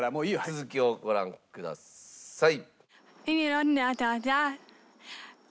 続きをご覧ください。